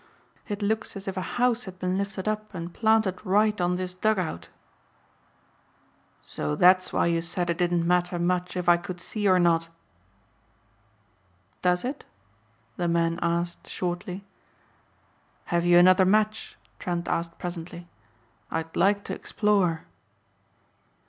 It looks as if a house had been lifted up and planted right on this dug out." "So that's why you said it didn't matter much if I could see or not?" "Does it?" the man asked shortly. "Have you another match?" Trent asked presently. "I'd like to explore."